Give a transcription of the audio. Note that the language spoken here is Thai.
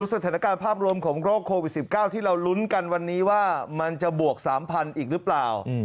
สถานการณ์ภาพรวมของโรคโควิด๑๙ที่เราลุ้นกันวันนี้ว่ามันจะบวก๓๐๐อีกหรือเปล่า